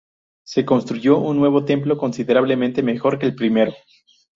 Se construyó un nuevo templo, considerablemente mejor que el primero.